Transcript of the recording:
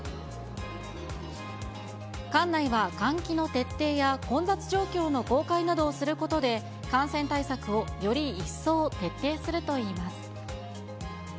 館内は換気の徹底や混雑状況の公開などをすることで、感染対策をより一層徹底するといいます。